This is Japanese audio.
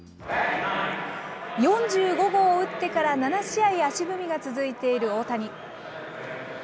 ４５号を打ってから７試合足踏みが続いている大谷。